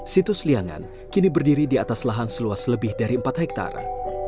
situs liangan kini berdiri di atas lahan seluas lebih dari empat hektare